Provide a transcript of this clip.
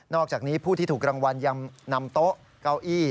อกจากนี้ผู้ที่ถูกรางวัลยังนำโต๊ะเก้าอี้